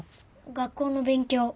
学校の勉強。